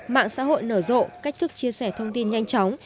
mạng xã hội nở rộ cách thức chia sẻ thông tin nhanh chóng